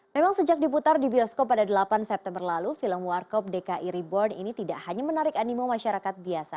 memang sejak diputar di bioskop pada delapan september lalu film warkop dki reborn ini tidak hanya menarik animo masyarakat biasa